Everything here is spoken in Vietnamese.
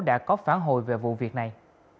đã có phản hồi về vụ việc này